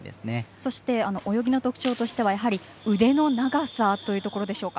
そして泳ぎの特徴としては腕の長さというところでしょうか。